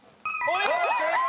正解！